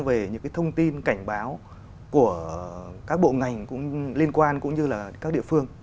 về những cái thông tin cảnh báo của các bộ ngành cũng liên quan cũng như là các địa phương